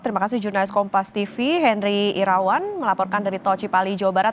terima kasih jurnalis kompas tv henry irawan melaporkan dari tol cipali jawa barat